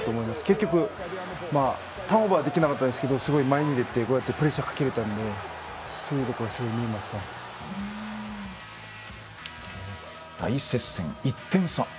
結局、ターンオーバーはできなかったんですけどすごい前に出てプレッシャーをかけれたので大接戦の１点差。